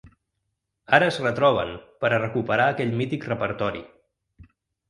Ara es retroben per a recuperar aquell mític repertori.